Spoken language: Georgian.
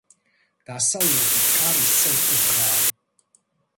დასავლეთით, კარი სწორკუთხაა.